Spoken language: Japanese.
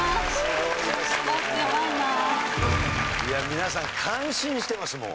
いや皆さん感心してます